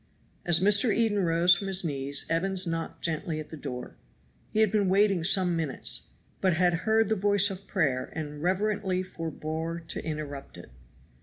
As Mr. Eden rose from his knees Evans knocked gently at the door. He had been waiting some minutes, but had heard the voice of prayer and reverently forbore to interrupt it.